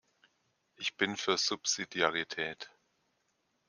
Ich bin für Subsidiarität.